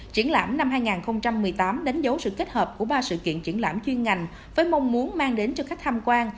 triển lãm năm hai nghìn một mươi tám đánh dấu sự kết hợp của ba sự kiện triển lãm chuyên ngành với mong muốn mang đến cho khách tham quan